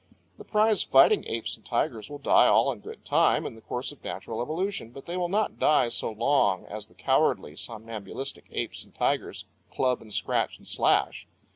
The prize fighting apes and tigers will die all in good time in the course of natural evolution, but they will not die so long as the cowardly, somnambulistic apes and tigers club and scratch and slash.